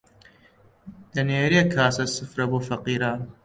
دەنێری کاسە سفرە بۆ فەقیران